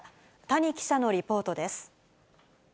谷記者のリポートです。